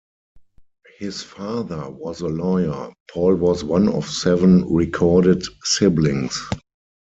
His father was a lawyer: Paul was one of seven recorded siblings.